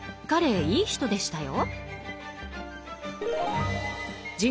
彼もいい人でしたよ。